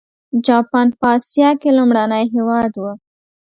جاپان په اسیا کې لومړنی هېواد و.